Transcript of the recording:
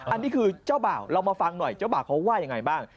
อันนี้คือเจ้าบ่าวเรามาฟังหน่อยเจ้าบ่าวเขาว่ายังไงบ้าง